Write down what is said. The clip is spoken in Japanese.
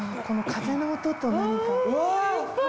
この風の音と何か。